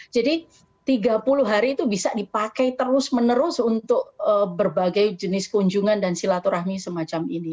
jadi tiga puluh hari itu bisa dipakai terus menerus untuk berbagai jenis kunjungan dan silaturahmi semacam ini